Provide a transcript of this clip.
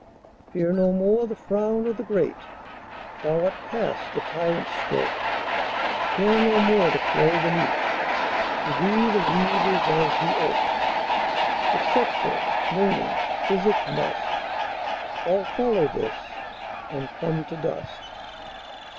Fear no more the frown o' the great, Thou art past the tyrant's stroke; Care no more to clothe and eat; To thee the reed is as the oak:The sceptre, learning, physic, mustAll follow this, and come to dust.